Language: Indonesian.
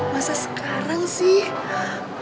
masa sekarang sih